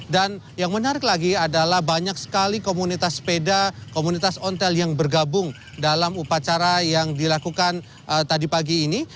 dan yang menarik lagi adalah banyak sekali komunitas sepeda komunitas ontel yang bergabung dalam upacara yang dilakukan tadi pagi ini